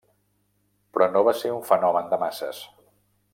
Però no va ser un fenomen de masses.